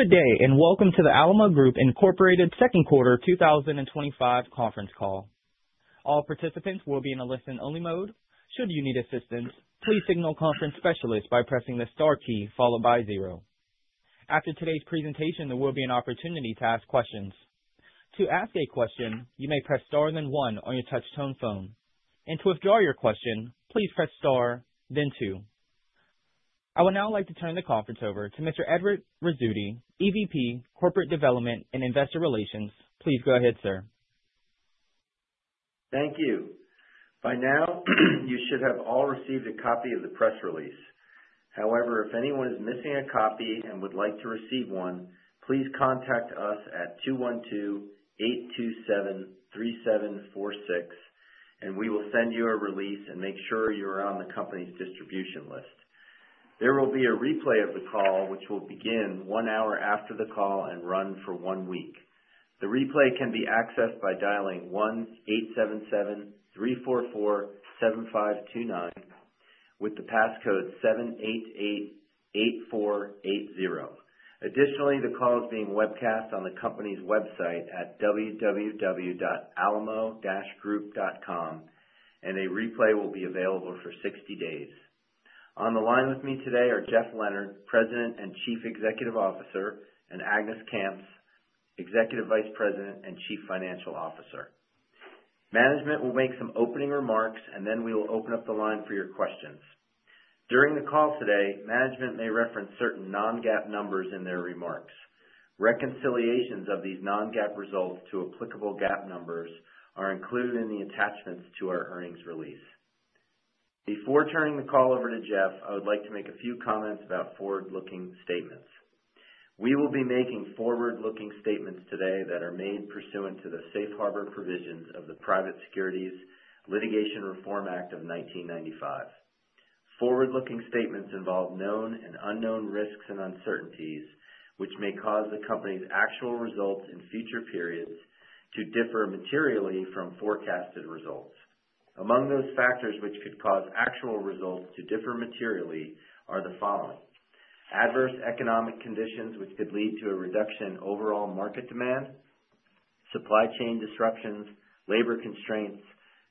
Good day and welcome to the Alamo Group Inc Second Quarter 2025 Conference Call. All participants will be in a listen-only mode. Should you need assistance, please signal a Conference Specialist by pressing the star key followed by zero. After today's presentation, there will be an opportunity to ask questions. To ask a question, you may press star then one on your touch-tone phone, and to withdraw your question, please press star then two. I would now like to turn the conference over to Mr. Edward Rizzuti, EVP, Corporate Development and Investor Relations. Please go ahead, sir. Thank you. By now, you should have all received a copy of the press release. However, if anyone is missing a copy and would like to receive one, please contact us at 212-827-3746, and we will send you a release and make sure you are on the company's distribution list. There will be a replay of the call, which will begin one hour after the call and run for one week. The replay can be accessed by dialing 1-877-344-7529 with the passcode 788-8480. Additionally, the call is being webcast on the company's website at www.alamo-group.com, and a replay will be available for 60 days. On the line with me today are Jeff Leonard, President and Chief Executive Officer, and Agnes Kamps, Executive Vice President and Chief Financial Officer. Management will make some opening remarks, and then we will open up the line for your questions. During the call today, management may reference certain non-GAAP numbers in their remarks. Reconciliations of these non-GAAP results to applicable GAAP numbers are included in the attachments to our earnings release. Before turning the call over to Jeff, I would like to make a few comments about forward-looking statements. We will be making forward-looking statements today that are made pursuant to the Safe Harbor provisions of the Private Securities Litigation Reform Act of 1995. Forward-looking statements involve known and unknown risks and uncertainties, which may cause the company's actual results in future periods to differ materially from forecasted results. Among those factors which could cause actual results to differ materially are the following: adverse economic conditions which could lead to a reduction in overall market demand, supply chain disruptions, labor constraints,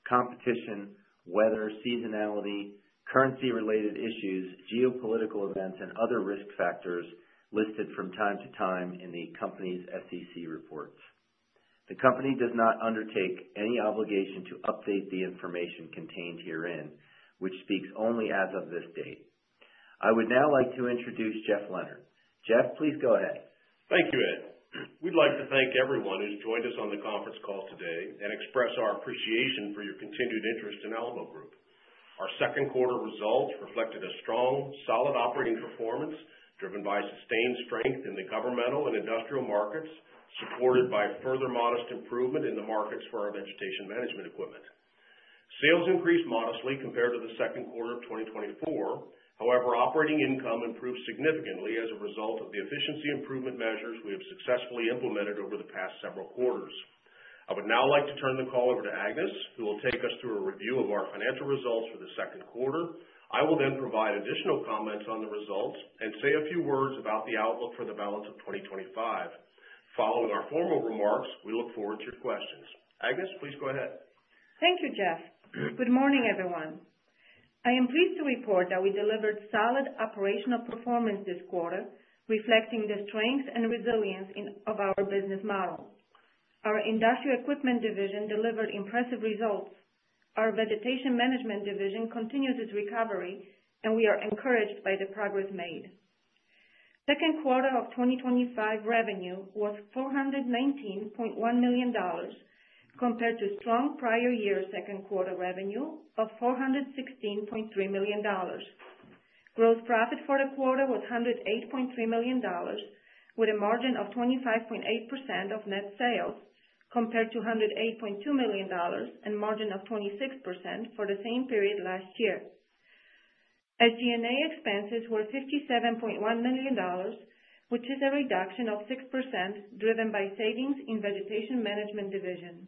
competition, weather, seasonality, currency-related issues, geopolitical events, and other risk factors listed from time to time in the company's SEC reports. The company does not undertake any obligation to update the information contained herein, which speaks only as of this date. I would now like to introduce Jeff Leonard. Jeff, please go ahead. Thank you, Ed. We'd like to thank everyone who's joined us on the conference call today and express our appreciation for your continued interest in Alamo Group Inc. Our second quarter results reflected a strong, solid operating performance driven by sustained strength in the governmental and industrial markets, supported by further modest improvement in the markets for our vegetation management equipment. Sales increased modestly compared to the second quarter of 2024. However, operating income improved significantly as a result of the efficiency improvement measures we have successfully implemented over the past several quarters. I would now like to turn the call over to Agnes, who will take us through a review of our financial results for the second quarter. I will then provide additional comments on the results and say a few words about the outlook for the balance of 2025. Following our formal remarks, we look forward to your questions. Agnes, please go ahead. Thank you, Jeff. Good morning, everyone. I am pleased to report that we delivered solid operational performance this quarter, reflecting the strength and resilience of our business model. Our Industrial Equipment Division delivered impressive results. Our Vegetation Management Division continues its recovery, and we are encouraged by the progress made. Second quarter of 2025 revenue was $419.1 million compared to strong prior year's second quarter revenue of $416.3 million. Gross profit for the quarter was $108.3 million, with a margin of 25.8% of net sales compared to $108.2 million and a margin of 26% for the same period last year. SG&A expenses were $57.1 million, which is a reduction of 6% driven by savings in the Vegetation Management Division.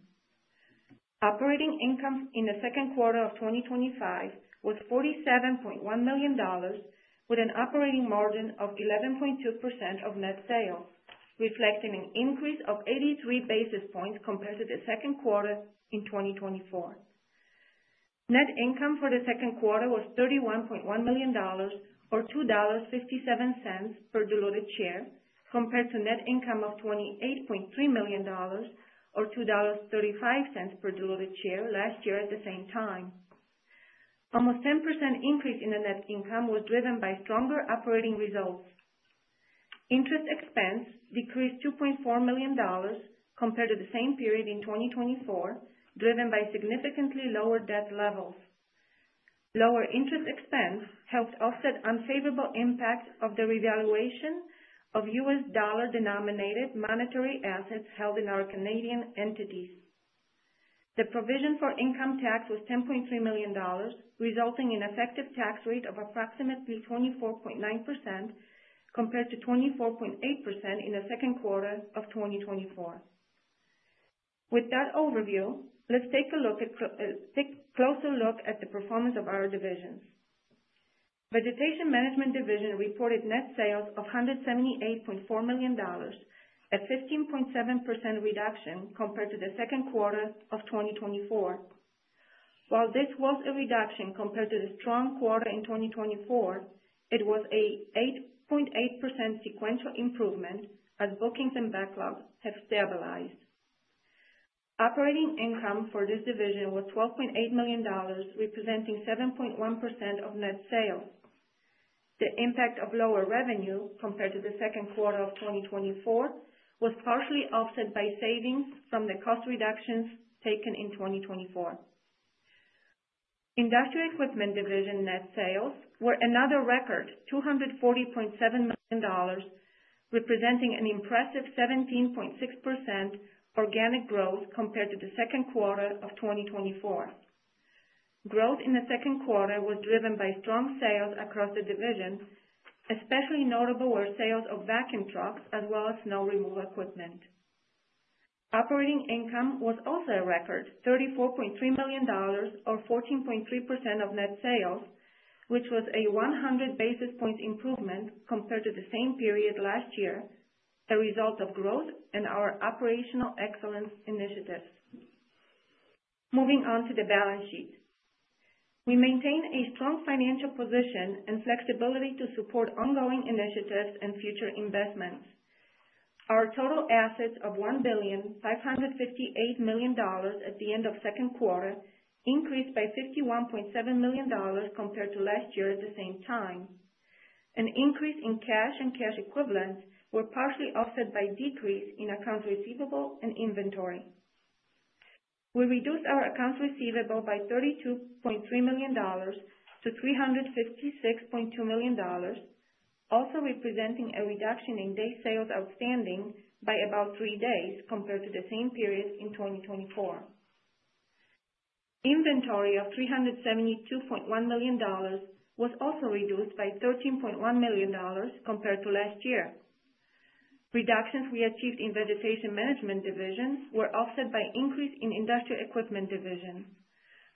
Operating income in the second quarter of 2025 was $47.1 million, with an operating margin of 11.2% of net sales, reflecting an increase of 83 basis points compared to the second quarter in 2024. Net income for the second quarter was $31.1 million or $2.57 per diluted share compared to net income of $28.3 million or $2.35 per diluted share last year at the same time. Almost a 10% increase in the net income was driven by stronger operating results. Interest expense decreased $2.4 million compared to the same period in 2024, driven by significantly lower debt levels. Lower interest expense helped offset the unfavorable impact of the revaluation of U.S. dollar-denominated monetary assets held in our Canadian entities. The provision for income tax was $10.3 million, resulting in an effective tax rate of approximately 24.9% compared to 24.8% in the second quarter of 2024. With that overview, let's take a closer look at the performance of our divisions. The Vegetation Management Division reported net sales of $178.4 million at a 15.7% reduction compared to the second quarter of 2024. While this was a reduction compared to the strong quarter in 2024, it was an 8.8% sequential improvement as bookings and backlog have stabilized. Operating income for this Division was $12.8 million, representing 7.1% of net sales. The impact of lower revenue compared to the second quarter of 2024 was partially offset by savings from the cost reductions taken in 2024. Industrial Equipment Division net sales were another record $240.7 million, representing an impressive 17.6% organic growth compared to the second quarter of 2024. Growth in the second quarter was driven by strong sales across the division, especially notable were sales of vacuum trucks as well as snow removal equipment. Operating income was also a record $34.3 million or 14.3% of net sales, which was a 100 basis point improvement compared to the same period last year, a result of growth in our operational excellence initiatives. Moving on to the balance sheet, we maintain a strong financial position and flexibility to support ongoing initiatives and future investments. Our total assets of $1,558,000,000 at the end of the second quarter increased by $51.7 million compared to last year at the same time. An increase in cash and cash equivalents was partially offset by a decrease in accounts receivable and inventory. We reduced our accounts receivable by $32.3 million to $356.2 million, also representing a reduction in day sales outstanding by about three days compared to the same period in 2024. Inventory of $372.1 million was also reduced by $13.1 million compared to last year. Reductions we achieved in the Vegetation Management Division were offset by an increase in the Industrial Equipment Division.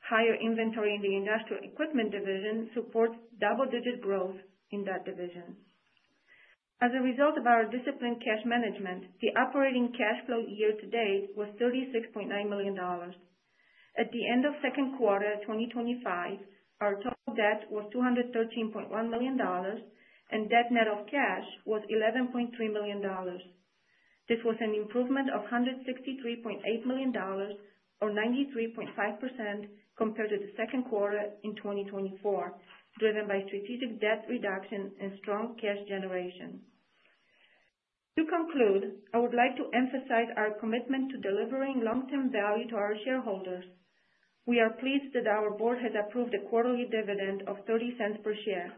Higher inventory in the Industrial Equipment Division supports double-digit growth in that division. As a result of our disciplined cash management, the operating cash flow year to date was $36.9 million. At the end of the second quarter of 2025, our total debt was $213.1 million, and debt net of cash was $11.3 million. This was an improvement of $163.8 million or 93.5% compared to the second quarter in 2024, driven by strategic debt reduction and strong cash generation. To conclude, I would like to emphasize our commitment to delivering long-term value to our shareholders. We are pleased that our board has approved a quarterly dividend of $0.30 per share.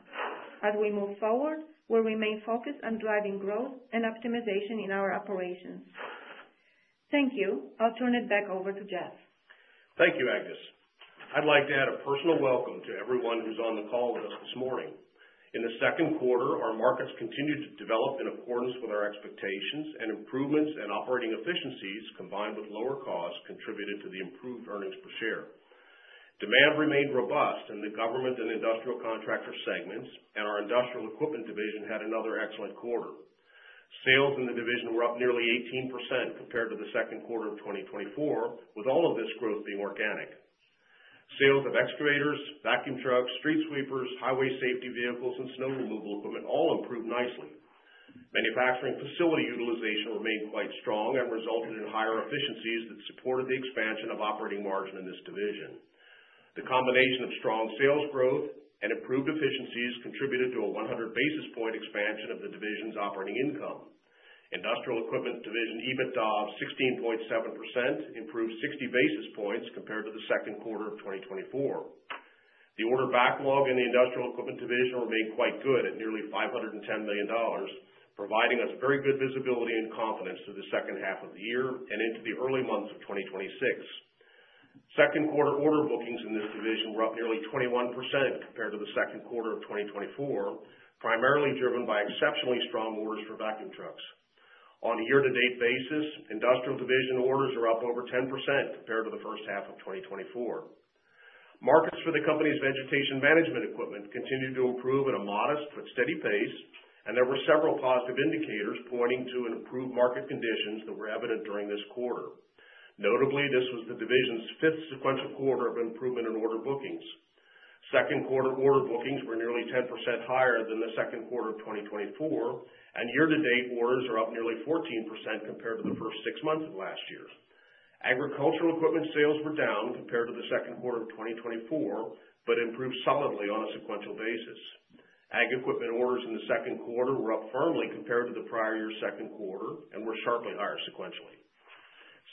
As we move forward, we'll remain focused on driving growth and optimization in our operations. Thank you. I'll turn it back over to Jeff. Thank you, Agnes. I'd like to add a personal welcome to everyone who's on the call with us this morning. In the second quarter, our markets continued to develop in accordance with our expectations, and improvements in operating efficiencies, combined with lower costs, contributed to the improved earnings per share. Demand remained robust in the government and industrial contractor segments, and our Industrial Equipment Division had another excellent quarter. Sales in the division were up nearly 18% compared to the second quarter of 2024, with all of this growth being organic. Sales of excavators, vacuum trucks, street sweepers, highway safety vehicles, and snow removal equipment all improved nicely. Manufacturing facility utilization remained quite strong and resulted in higher efficiencies that supported the expansion of operating margin in this division. The combination of strong sales growth and improved efficiencies contributed to a 100 basis point expansion of the division's operating income. Industrial Equipment Division EBITDA of 16.7% improved 60 basis points compared to the second quarter of 2024. The order backlog in the Industrial Equipment Division remained quite good at nearly $510 million, providing us very good visibility and confidence through the second half of the year and into the early months of 2026. Second quarter order bookings in this division were up nearly 21% compared to the second quarter of 2024, primarily driven by exceptionally strong orders for vacuum trucks. On a year-to-date basis, Industrial Division orders are up over 10% compared to the first half of 2024. Markets for the company's Vegetation Management equipment continue to improve at a modest but steady pace, and there were several positive indicators pointing to improved market conditions that were evident during this quarter. Notably, this was the Division's fifth sequential quarter of improvement in order bookings. Second quarter order bookings were nearly 10% higher than the second quarter of 2024, and year-to-date orders are up nearly 14% compared to the first six months of last year. Agricultural equipment sales were down compared to the second quarter of 2024, but improved solidly on a sequential basis. Ag equipment orders in the second quarter were up firmly compared to the prior year's second quarter and were sharply higher sequentially.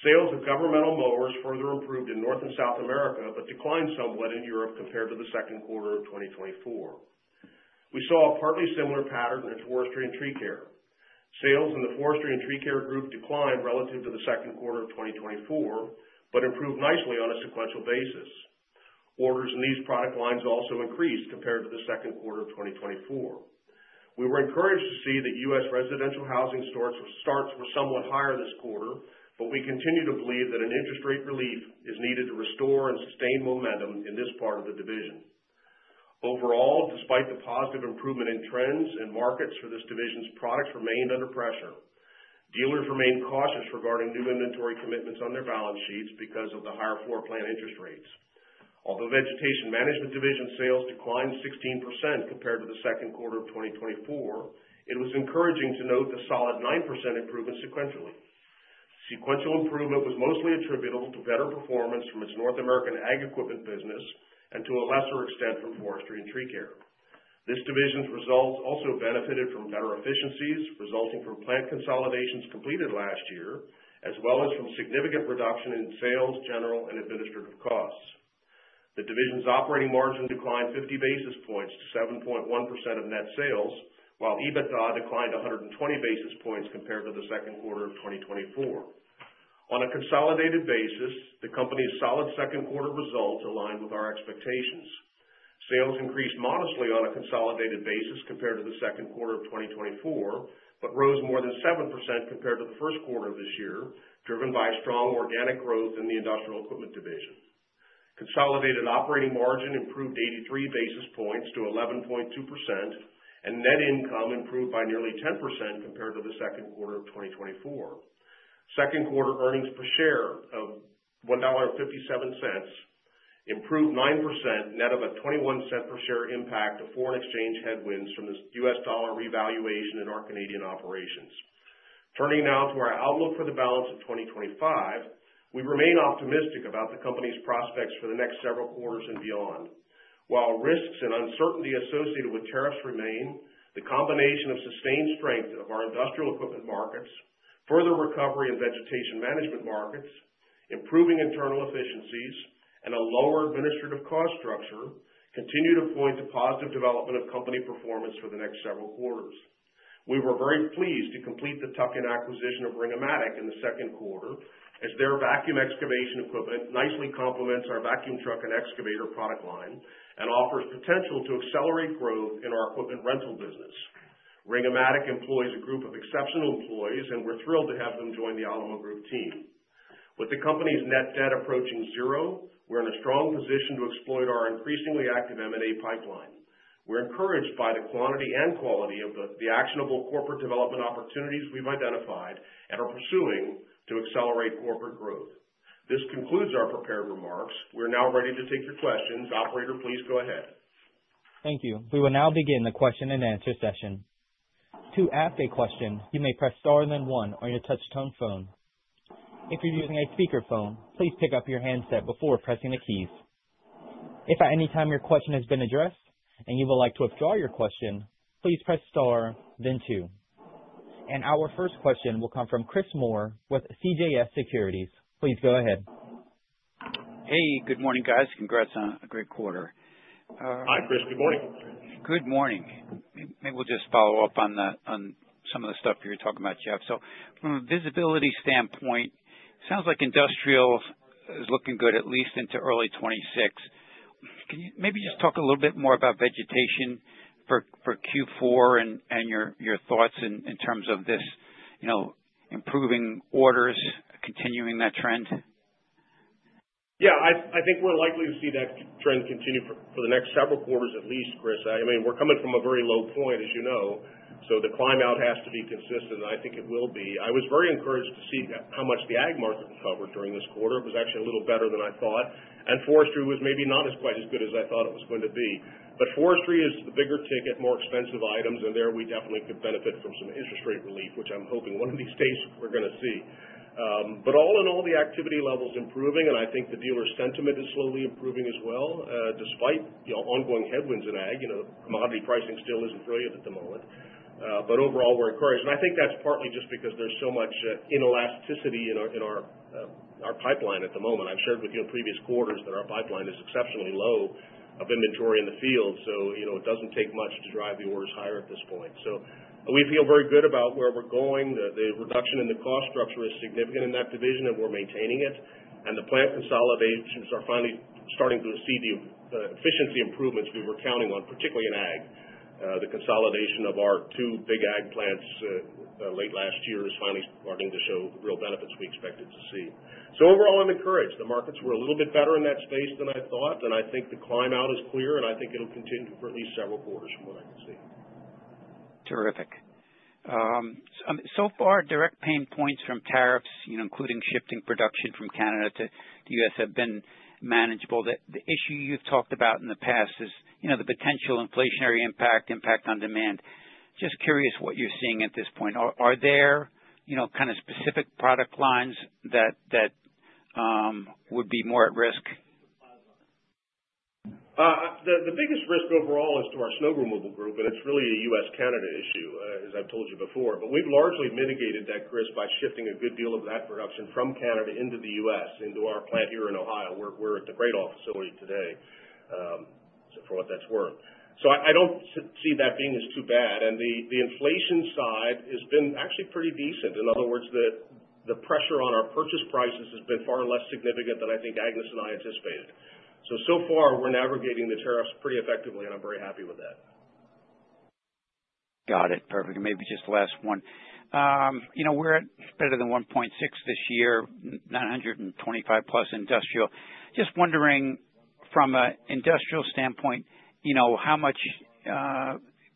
Sales of governmental mowers further improved in North and South America, but declined somewhat in Europe compared to the second quarter of 2024. We saw a partly similar pattern in Forestry and Tree Care. Sales in the forestry and tree care group declined relative to the second quarter of 2024, but improved nicely on a sequential basis. Orders in these product lines also increased compared to the second quarter of 2024. We were encouraged to see that U.S. residential housing starts were somewhat higher this quarter, but we continue to believe that an interest rate relief is needed to restore and sustain momentum in this part of the Division. Overall, despite the positive improvement in trends, markets for this division's products remained under pressure. Dealers remained cautious regarding new inventory commitments on their balance sheets because of the higher floor plan interest rates. Although the Vegetation Management Division sales declined 16% compared to the second quarter of 2024, it was encouraging to note the solid 9% improvement sequentially. Sequential improvement was mostly attributable to better performance from its North American Ag Equipment business and to a lesser extent from Forestry and Tree Care. This Division's results also benefited from better efficiencies resulting from plant consolidations completed last year, as well as from significant reduction in sales, general, and administrative costs. The Division's operating margin declined 50 basis points to 7.1% of net sales, while EBITDA declined 120 basis points compared to the second quarter of 2024. On a consolidated basis, the company's solid second quarter results aligned with our expectations. Sales increased modestly on a consolidated basis compared to the second quarter of 2024, but rose more than 7% compared to the first quarter of this year, driven by strong organic growth in the Industrial Equipment Division. Consolidated operating margin improved 83 basis points to 11.2%, and net income improved by nearly 10% compared to the second quarter of 2024. Second quarter earnings per share of $1.57 improved 9%, net of a $0.21 per share impact to foreign exchange headwinds from the U.S. dollar revaluation in our Canadian operations. Turning now to our outlook for the balance of 2025, we remain optimistic about the company's prospects for the next several quarters and beyond. While risks and uncertainty associated with tariffs remain, the combination of sustained strength of our industrial equipment markets, further recovery in vegetation management markets, improving internal efficiencies, and a lower administrative cost structure continue to point to positive development of company performance for the next several quarters. We were very pleased to complete the tuck-in acquisition of Ring-O-Matic in the second quarter, as their vacuum excavation equipment nicely complements our vacuum truck and excavator product line and offers potential to accelerate growth in our equipment rental business. Ring-O-Matic employs a group of exceptional employees, and we're thrilled to have them join the Alamo Group team. With the company's net debt approaching zero, we're in a strong position to exploit our increasingly active M&A pipeline. We're encouraged by the quantity and quality of the actionable corporate development opportunities we've identified and are pursuing to accelerate corporate growth. This concludes our prepared remarks. We're now ready to take your questions. Operator, please go ahead. Thank you. We will now begin the question and answer session. To ask a question, you may press star then one on your touch-tone phone. If you're using a speakerphone, please pick up your handset before pressing the keys. If at any time your question has been addressed and you would like to withdraw your question, please press star then two. Our first question will come from Chris Moore with CJS Securities. Please go ahead. Hey, good morning, guys. Congrats on a great quarter. Hi, Chris. Good morning. Good morning. Maybe we'll just follow up on that, on some of the stuff you're talking about, Jeff. From a visibility standpoint, it sounds like Industrial is looking good at least into early 2026. Can you maybe just talk a little bit more about Vegetation for Q4 and your thoughts in terms of this improving order, continuing that trend? Yeah, I think we're likely to see that trend continue for the next several quarters at least, Chris. I mean, we're coming from a very low point, as you know, so the climb out has to be consistent, and I think it will be. I was very encouraged to see how much the Ag market recovered during this quarter. It was actually a little better than I thought. Forestry was maybe not quite as good as I thought it was going to be. Forestry is the bigger ticket, more expensive items, and there we definitely could benefit from some interest rate relief, which I'm hoping one of these days we're going to see. All in all, the activity level is improving, and I think the dealer sentiment is slowly improving as well, despite ongoing headwinds in Ag. Commodity pricing still isn't brilliant at the moment. Overall, we're encouraged. I think that's partly just because there's so much inelasticity in our pipeline at the moment. I've shared with you in previous quarters that our pipeline is exceptionally low of inventory in the field, so it doesn't take much to drive the orders higher at this point. We feel very good about where we're going. The reduction in the cost structure is significant in that Division, and we're maintaining it. The plant consolidations are finally starting to see the efficiency improvements we were counting on, particularly in Ag. The consolidation of our two big Ag plants late last year is finally starting to show the real benefits we expected to see. Overall, I'm encouraged. The markets were a little bit better in that space than I thought, and I think the climb out is clear, and I think it'll continue for at least several quarters from what I can see. Terrific. So far, direct pain points from tariffs, including shifting production from Canada to the U.S., have been manageable. The issue you've talked about in the past is the potential inflationary impact, impact on demand. Just curious what you're seeing at this point. Are there specific product lines that would be more at risk? The biggest risk overall is to our snow removal group, and it's really a U.S.-Canada issue, as I've told you before. We've largely mitigated that risk by shifting a good deal of that production from Canada into the U.S., into our plant here in Ohio, where we're at the Gradall facility today, for what that's worth. I don't see that being as too bad. The inflation side has been actually pretty decent. In other words, the pressure on our purchase prices has been far less significant than I think Agnes and I anticipated. So far, we're navigating the tariffs pretty effectively, and I'm very happy with that. Got it. Perfect. Maybe just the last one. You know, we're at better than $1.6 billion this year, +$925 million industrial. Just wondering, from an industrial standpoint, how much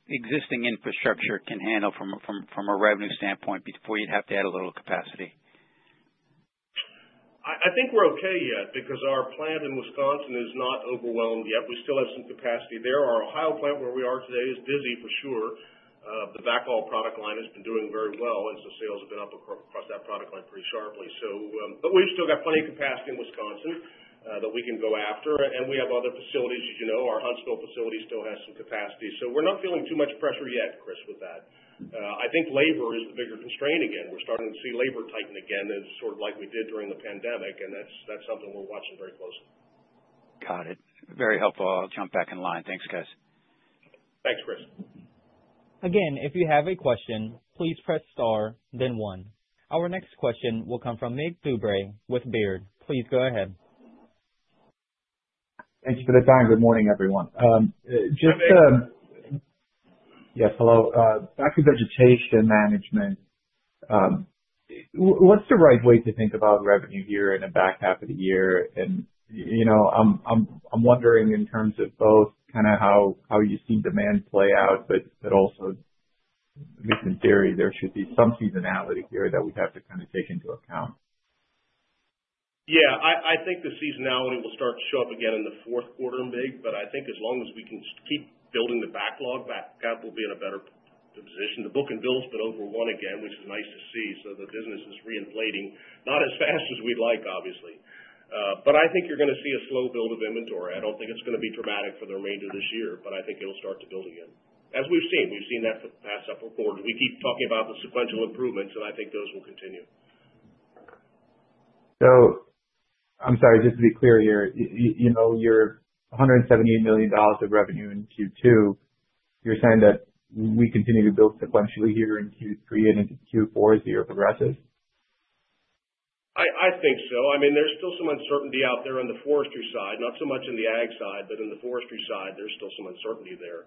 existing infrastructure can handle from a revenue standpoint before you'd have to add a little capacity? I think we're okay yet because our plant in Wisconsin is not overwhelmed yet. We still have some capacity there. Our Ohio plant, where we are today, is busy for sure. The backhaul product line has been doing very well as the sales have been up across that product line pretty sharply. We've still got plenty of capacity in Wisconsin that we can go after, and we have other facilities. As you know, our Huntsville facility still has some capacity. We're not feeling too much pressure yet, Chris, with that. I think labor is the bigger constraint again. We're starting to see labor tighten again, sort of like we did during the pandemic, and that's something we're watching very closely. Got it. Very helpful. I'll jump back in line. Thanks, guys. Thanks, Chris. Again, if you have a question, please press star, then one. Our next question will come from Mig Dobre with Baird. Please go ahead. Thank you for the time. Good morning, everyone. Yes, hello. Back to Vegetation Management. What's the right way to think about revenue year and a back half of the year? You know, I'm wondering in terms of both kind of how you see demand play out, but also, at least in theory, there should be some seasonality here that we'd have to kind of take into account. I think the seasonality will start to show up again in the fourth quarter in big, but I think as long as we can keep building the backlog back up, we'll be in a better position. The booking bills have been over one again, which is nice to see. The business is reinflating, not as fast as we'd like, obviously. I think you're going to see a slow build of inventory. I don't think it's going to be dramatic for the remainder of this year, but I think it'll start to build again. As we've seen, we've seen that for the past several quarters. We keep talking about the sequential improvements, and I think those will continue. I'm sorry, just to be clear here, your $178 million of revenue in Q2, you're saying that we continue to build sequentially here in Q3 and into Q4 as the year progresses? I think so. I mean, there's still some uncertainty out there on the Forestry side, not so much in the Ag side, but in the Forestry side, there's still some uncertainty there.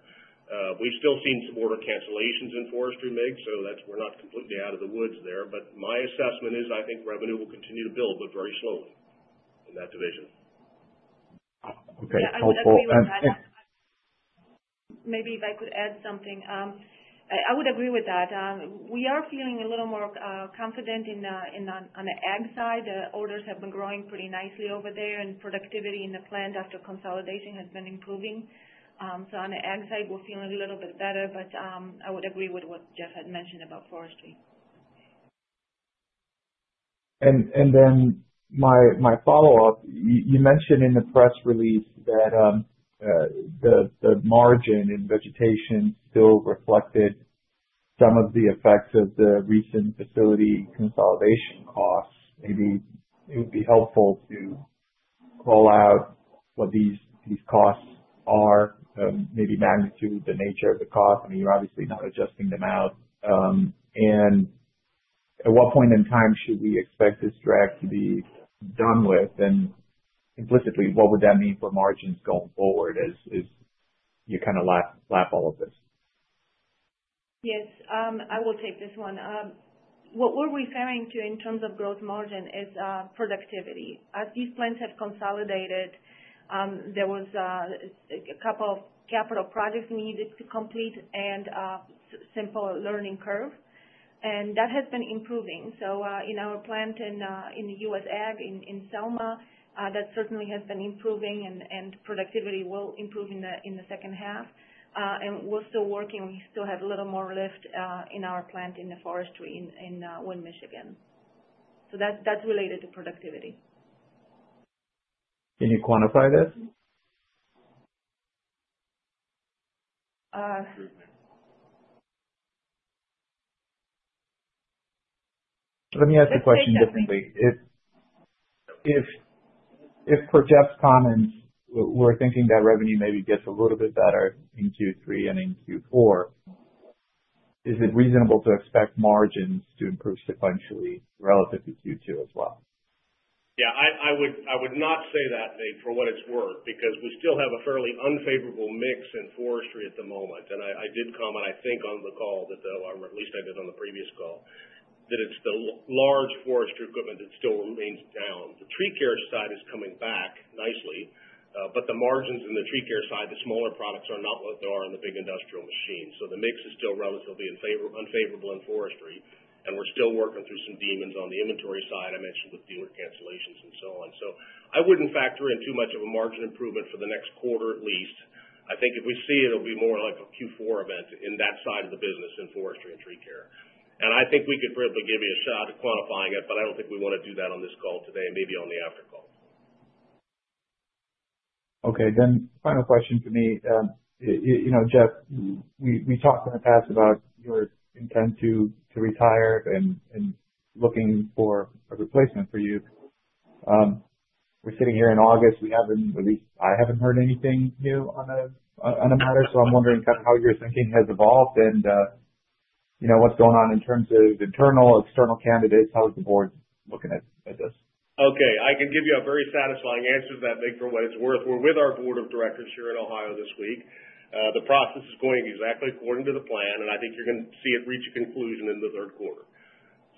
We've still seen some order cancellations in Forestry mix, so we're not completely out of the woods there. My assessment is I think revenue will continue to build, but very slowly in that Division. Okay Maybe if I could add something, I would agree with that. We are feeling a little more confident on the Ag side. The orders have been growing pretty nicely over there, and productivity in the plant after consolidation has been improving. On the Ag side, we're feeling a little bit better, but I would agree with what Jeff Leonard had mentioned about Forestry. You mentioned in the press release that the margin in Vegetation still reflected some of the effects of the recent facility consolidation costs. Maybe it would be helpful to roll out what these costs are, maybe the magnitude and the nature of the cost. I mean, you're obviously not adjusting them out. At what point in time should we expect this drag to be done with? Implicitly, what would that mean for margins going forward as you kind of lap all of this? Yes. I will take this one. What we're referring to in terms of gross margin is productivity. As these plants have consolidated, there were a couple of capital projects needed to complete and a simple learning curve. That has been improving. In our plant in the U.S. Ag in Selma, that certainly has been improving, and productivity will improve in the second half. We're still working. We still have a little more left in our plant in the Forestry in Wind, Michigan. That's related to productivity. Can you quantify this? Let me ask the question differently. If for Jeff's comments, we're thinking that revenue maybe gets a little bit better in Q3 and in Q4, is it reasonable to expect margins to improve sequentially relative to Q2 as well? I would not say that for what it's worth because we still have a fairly unfavorable mix in Forestry at the moment. I did comment, I think, on the call that, or at least I did on the previous call, that it's the large Forestry equipment that still remains down. The Tree Care side is coming back nicely, but the margins in the Tree Care side, the smaller products, are not what they are in the big industrial machines. The mix is still relatively unfavorable in forestry, and we're still working through some demons on the inventory side. I mentioned with dealer cancellations and so on. I wouldn't factor in too much of a margin improvement for the next quarter at least. I think if we see it, it'll be more like a Q4 event in that side of the business in Forestry and Tree Care. I think we could probably give you a shot at quantifying it, but I don't think we want to do that on this call today, maybe on the after call. Okay. Final question for me. You know, Jeff, we talked in the past about your intent to retire and looking for a replacement for you. We're sitting here in August. I haven't heard anything new on a matter, so I'm wondering kind of how your thinking has evolved and, you know, what's going on in terms of internal, external candidates. How is the Board looking at this? Okay. I can give you a very satisfying answer to that, Nick, for what it's worth. We're with our Board of Directors here in Ohio this week. The process is going exactly according to the plan, and I think you're going to see it reach a conclusion in the third quarter.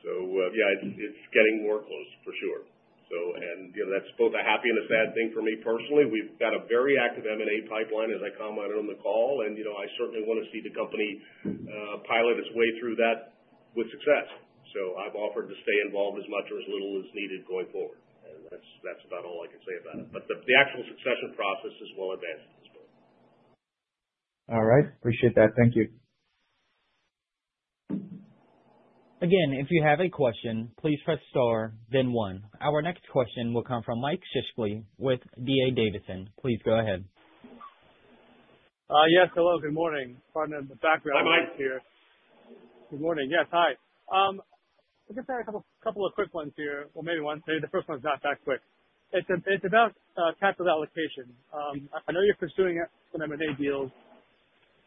Yeah, it's getting more close for sure. You know, that's both a happy and a sad thing for me personally. We've got a very active M&A pipeline, as I commented on the call, and I certainly want to see the company pilot its way through that with success. I've offered to stay involved as much or as little as needed going forward. That's about all I could say about it. The actual succession process is well advanced at this point. All right. Appreciate that. Thank you. Again, if you have a question, please press star, then one. Our next question will come from Mike Shlisky with D.A. Davidson. Please go ahead. Yes. Hello. Good morning. Pardon the background noise here. Hi, Mike. Good morning. Yes, hi. I guess I have a couple of quick ones here. Maybe one. The first one's not that quick. It's about capital allocation. I know you're pursuing some M&A deals.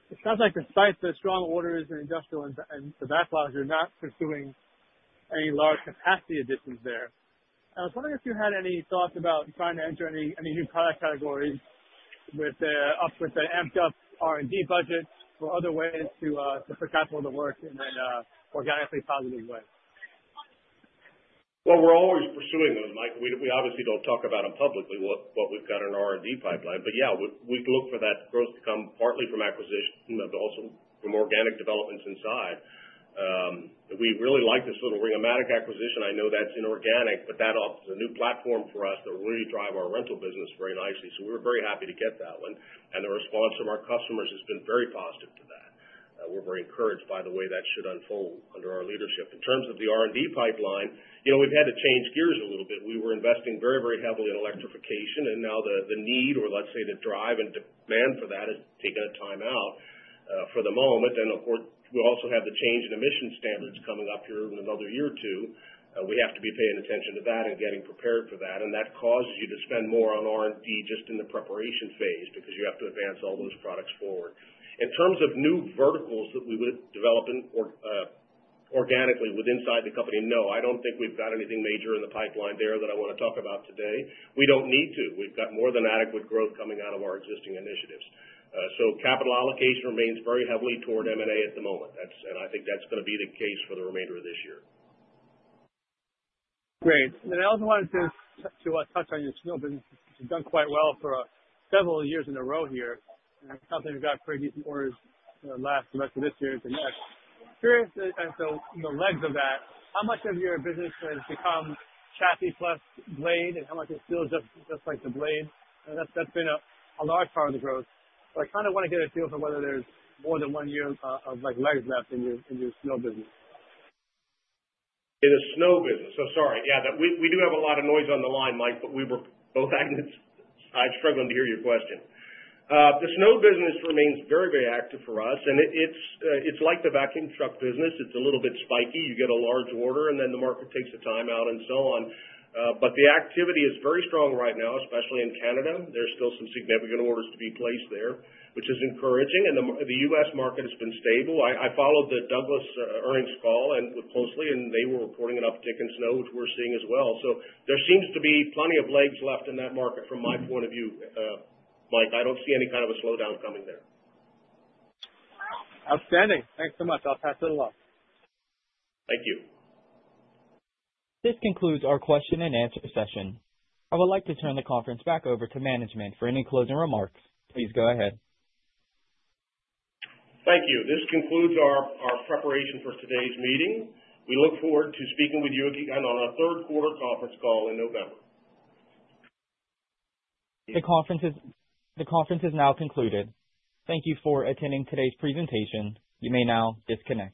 It sounds like despite the strong orders in industrial and the backlogs, you're not pursuing any large capacity additions there. I was wondering if you had any thoughts about trying to enter any new product categories with an amped-up R&D budget or other ways to put capital to work in an organically positive way. We're always pursuing them, Mike. We obviously don't talk about them publicly, what we've got in our R&D pipeline. Yeah, we've looked for that growth to come partly from acquisition, but also from organic developments inside. We really like this little Ring-O-Matic acquisition. I know that's inorganic, but that offers a new platform for us to really drive our rental business very nicely. We were very happy to get that one, and the response from our customers has been very positive to that. We're very encouraged by the way that should unfold under our leadership. In terms of the R&D pipeline, we've had to change gears a little bit. We were investing very, very heavily in electrification, and now the need, or let's say the drive and demand for that, has taken a time out for the moment. Of course, we also have the change in emission standards coming up here in another year or two. We have to be paying attention to that and getting prepared for that, and that causes you to spend more on R&D just in the preparation phase because you have to advance all those products forward. In terms of new verticals that we would develop organically within the company, no, I don't think we've got anything major in the pipeline there that I want to talk about today. We don't need to. We've got more than adequate growth coming out of our existing initiatives, so capital allocation remains very heavily toward M&A at the moment. I think that's going to be the case for the remainder of this year. Great. I also wanted to touch on your snow business. You've done quite well for several years in a row here. I thought that you've got pretty decent orders left for the rest of this year to next. Curious as to the lengths of that. How much of your business has become chassis plus blade, and how much is still just the blade? That's been a large part of the growth. I kind of want to get a feel for whether there's more than one year of legs left in your snow business. In the snow business, I'm sorry, yeah, we do have a lot of noise on the line, Mike, but we were both, Agnes, I struggled to hear your question. The snow business remains very, very active for us. It's like the vacuum truck business. It's a little bit spiky. You get a large order, and then the market takes a time out and so on, but the activity is very strong right now, especially in Canada. There's still some significant orders to be placed there, which is encouraging. The U.S. market has been stable. I followed the Douglas earnings call and looked closely, and they were reporting an uptick in snow, which we're seeing as well. There seems to be plenty of legs left in that market from my point of view, Mike. I don't see any kind of a slowdown coming there. Outstanding. Thanks so much. I'll pass it along. Thank you. This concludes our question and answer session. I would like to turn the conference back over to management for any closing remarks. Please go ahead. Thank you. This concludes our preparation for today's meeting. We look forward to speaking with you again on our third quarter conference call in November. The conference is now concluded. Thank you for attending today's presentation. You may now disconnect.